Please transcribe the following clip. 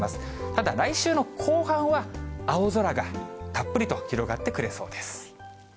ただ、来週の後半は、青空がたっぷりと広がってくれそうです。